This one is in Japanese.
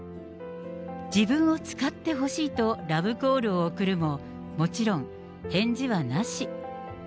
自分を使ってほしいとラブコールを送るも、もちろん返事はなし。